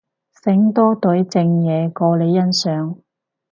醒多隊正嘢過你欣賞